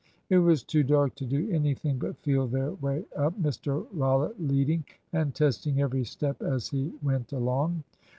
It was too dark to do anything but feel their way up; Mr Rollitt leading, and testing every step as he went along.